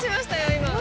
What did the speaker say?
今。